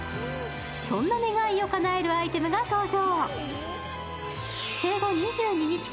そんな願いをかなえるアイテムが登場。